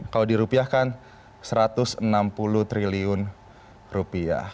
kalau dirupiahkan satu ratus enam puluh triliun rupiah